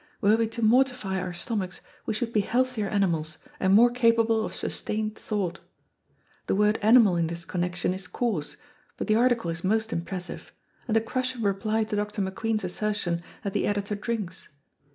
Were we to mortify our stomachs we should be healthier animals and more capable of sustained thought. The word animal in this connection is coarse, but the article is most impressive, and a crushing reply to Dr. McQueen's assertion that the editor drinks.